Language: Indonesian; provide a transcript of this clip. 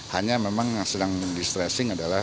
hanya memang yang sedang distressing adalah